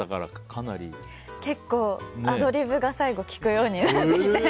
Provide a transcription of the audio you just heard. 結構、最後アドリブがきくようになってきて。